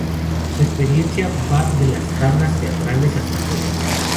Su experiencia va desde las tablas teatrales hasta Hollywood.